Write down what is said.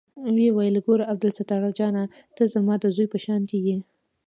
ويې ويل ګوره عبدالستار جانه ته زما د زوى په شانتې يې.